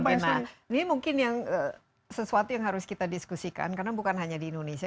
ini mungkin yang sesuatu yang harus kita diskusikan karena bukan hanya di indonesia